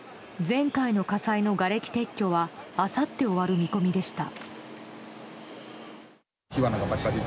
前回の火災のがれき撤去はあさって終わる見込みでした。